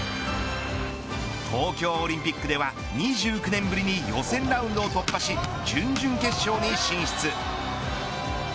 東京オリンピックでは２９年ぶりに予選ラウンドを突破し準々決勝に進出。